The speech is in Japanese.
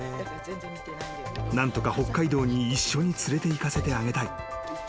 ［何とか北海道に一緒に連れていかせてあげたい］